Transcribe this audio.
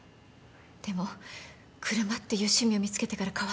でも車っていう趣味を見つけてから変わったの。